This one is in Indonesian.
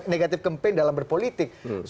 negatif campaign dalam berpolitik